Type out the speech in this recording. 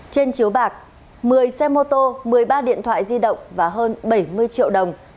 trên chiếu bạc một mươi xe mô tô một mươi ba điện thoại di động và hơn bảy mươi triệu đồng